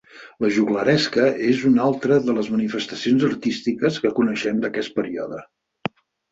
La joglaresca és una altra de les manifestacions artístiques que coneixem d'aquest període.